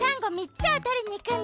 つをとりにいくんだ。